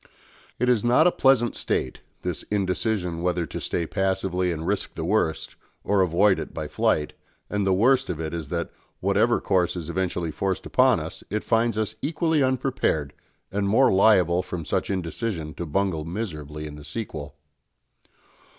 It is not a pleasant state, this indecision whether to stay passively and risk the worst or avoid it by flight, and the worst of it is that, whatever course is eventually forced upon us, it finds us equally unprepared, and more liable from such indecision to bungle miserably in the sequel.